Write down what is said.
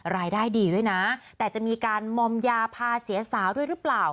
รายได้ดีด้วยนะแต่จะมีการมอมยาพาเสียสาวด้วยหรือเปล่า